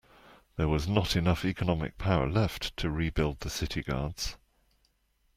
There was not enough economic power left to rebuild the city guards.